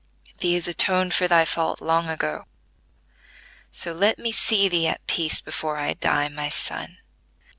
Thee has atoned for thy fault long ago, so let me see thee at peace before I die, my son."